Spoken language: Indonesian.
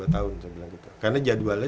dua tahun karena jadwalnya